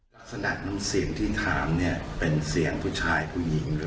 ลักษณะน้ำเสียงที่ถามเนี่ยเป็นเสียงผู้ชายผู้หญิงด้วย